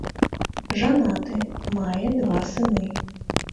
Жанаты, мае два сыны.